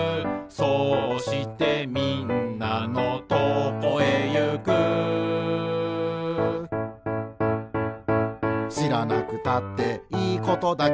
「そうしてみんなのとこへゆく」「しらなくたっていいことだけど」